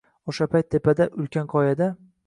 O’sha payt tepada — ulkan qoyada